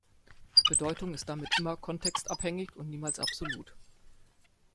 Bedeutung ist damit immer kontextabhängig und niemals absolut.